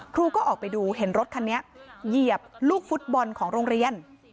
ครูก็ออกไปดูเห็นรถคันนี้เหยียบลูกฟุตบอลของโรงเรียน